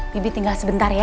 bibi tinggal sebentar ya